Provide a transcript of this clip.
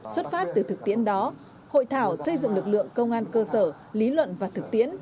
xuất phát từ thực tiễn đó hội thảo xây dựng lực lượng công an cơ sở lý luận và thực tiễn